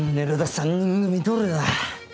３人組どれだ？